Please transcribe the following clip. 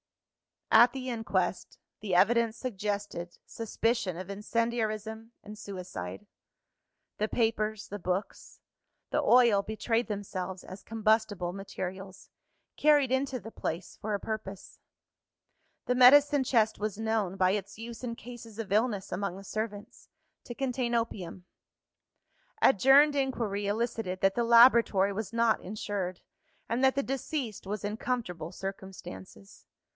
At the inquest, the evidence suggested suspicion of incendiarism and suicide. The papers, the books, the oil betrayed themselves as combustible materials, carried into the place for a purpose. The medicine chest was known (by its use in cases of illness among the servants) to contain opium. Adjourned inquiry elicited that the laboratory was not insured, and that the deceased was in comfortable circumstances.